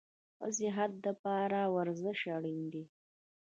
د ښه صحت دپاره ورزش اړین ده